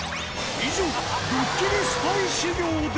以上、ドッキリスパイ修行で